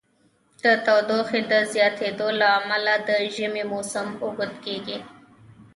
د تودوخې د زیاتیدو له امله د ژمی موسم اوږد کیږي.